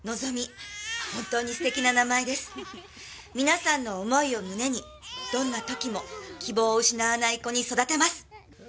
「皆さんの思いを胸にどんな時も希望を失わない子に育てます」